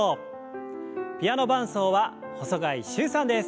ピアノ伴奏は細貝柊さんです。